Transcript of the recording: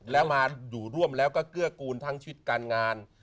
แล้วมาอยู่ร่วมแล้วก็เกื้อกูลทั้งชีวิตการงาน